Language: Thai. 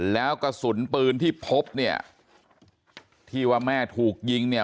แล้วกระสุนปืนที่พบเนี่ยที่ว่าแม่ถูกยิงเนี่ย